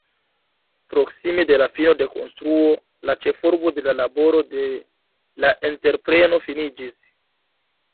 Proksime de la fino de konstruo, la ĉefurbo de laboro de la entrepreno finiĝis.